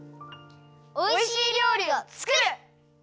おいしいりょうりをつくる！